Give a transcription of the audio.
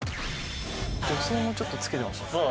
助走もちょっとつけてましたね。